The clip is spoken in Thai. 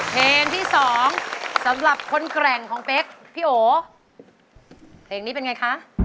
เพลงที่สองสำหรับคนแกร่งของเป๊กพี่โอเพลงนี้เป็นไงคะ